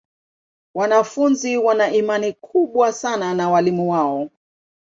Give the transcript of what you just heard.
Wanafunzi wana imani kubwa sana na walimu wao.